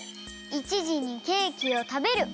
１じにケーキをたべる。